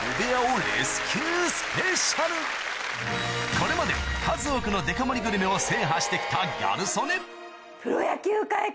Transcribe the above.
これまで数多くのデカ盛りグルメを制覇して来たギャル曽根